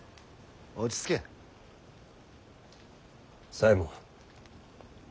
左衛門。